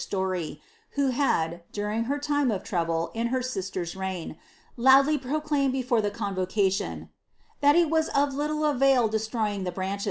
Story, whn had, during her tiit trouble, in her sister's reign, loudly proclaimed before the ronvnca " that it was of little avail deatroying the bnnche?.